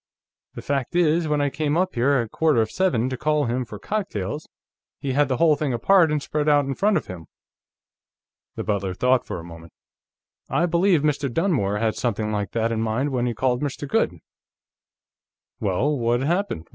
The fact is, when I came up here at quarter of seven, to call him for cocktails, he had the whole thing apart and spread out in front of him." The butler thought for a moment. "I believe Mr. Dunmore had something like that in mind when he called Mr. Goode." "Well, what happened?"